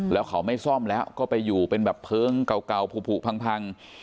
แล้วเขาไม่ซ่อมแล้วก็ไปอยู่เป็นแบบเพลิงเก่าผูพัง